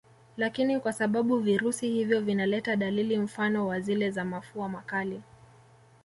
Lakini kwa sababu virusi hivyo vinaleta dalili mfano wa zile za mafua makali